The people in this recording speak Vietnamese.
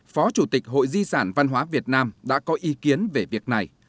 phó chủ tịch hội di sản văn hóa việt nam đã có ý kiến về việc này